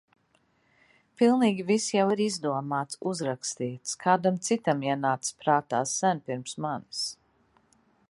Pilnīgi viss jau ir izdomāts, uzrakstīts, kādam citam ienācis prātā sen pirms manis.